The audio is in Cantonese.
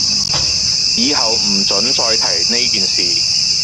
以後唔准再提呢件事